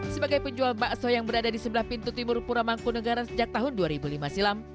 sebagai penjual bakso yang berada di sebelah pintu timur pura mangkunegara sejak tahun dua ribu lima silam